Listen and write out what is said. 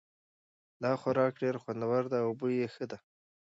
دا خوراک ډېر خوندور ده او بوی یې ښه ده